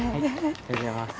ありがとうございます。